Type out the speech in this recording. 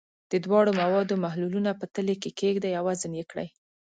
د دواړو موادو محلولونه په تلې کې کیږدئ او وزن یې کړئ.